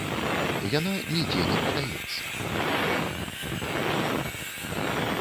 Яна нідзе не прадаецца.